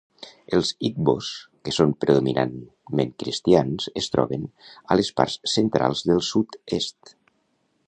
Els igbos, que són predominantment cristians, es troben a les parts centrals del sud-est.